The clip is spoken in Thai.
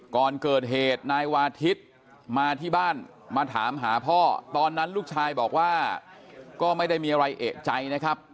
ก่อนเกิดเหตุนายวาทิศมาที่บ้านมาถามหาพ่อตอนนั้นลูกชายบอกว่าก็ไม่ได้มีอะไรเอกใจนะครับ